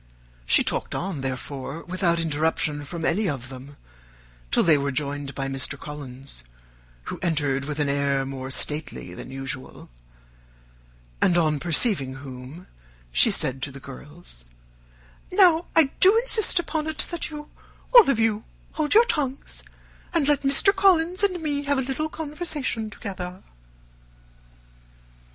She talked on, therefore, without interruption from any of them till they were joined by Mr. Collins, who entered with an air more stately than usual, and on perceiving whom, she said to the girls, "Now, I do insist upon it, that you, all of you, hold your tongues, and let Mr. Collins and me have a little conversation together."